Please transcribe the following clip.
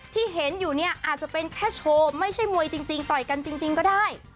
ที่เห็นอยู่เนี่ยอาจจะเป็นแค่โชว์ไม่ใช่มวยจริงต่อยกันจริงก็ได้